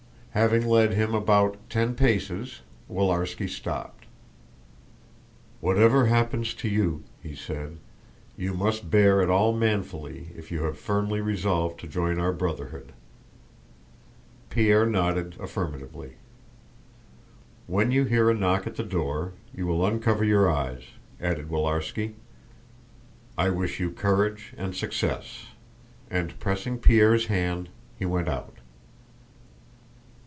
Having led him about ten paces, Willarski stopped. "Whatever happens to you," he said, "you must bear it all manfully if you have firmly resolved to join our Brotherhood." (Pierre nodded affirmatively.) "When you hear a knock at the door, you will uncover your eyes," added Willarski. "I wish you courage and success," and, pressing Pierre's hand, he went out.